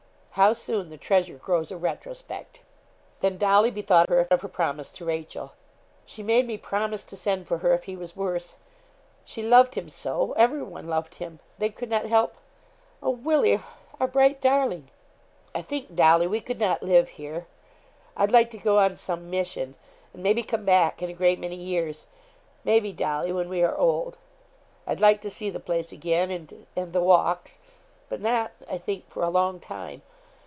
How soon the treasure grows a retrospect! Then Dolly bethought her of her promise to Rachel. 'She made me promise to send for her if he was worse she loved him so everyone loved him they could not help oh, Willie! our bright darling.' 'I think, Dolly, we could not live here. I'd like to go on some mission, and maybe come back in a great many years maybe, Dolly, when we are old. I'd like to see the place again and and the walks but not, I think, for a long time.